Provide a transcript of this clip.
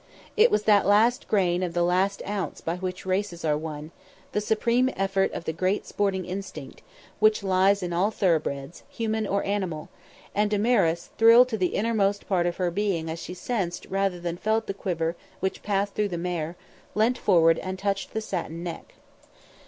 It was that last grain of the last ounce by which races are won; the supreme effort of the great sporting instinct, which lies in all thoroughbreds, human or animal; and Damaris, thrilled to the innermost part of her being as she sensed rather than felt the quiver which passed through the mare, leant forward and touched the satin neck.